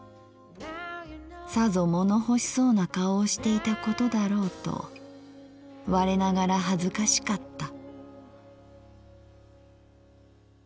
さぞもの欲しそうな顔をしていたことだろうとわれながら恥ずかしかった」。